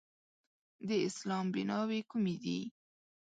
د اسلام بیناوې کومې دي؟